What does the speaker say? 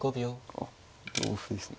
あっ同歩ですね。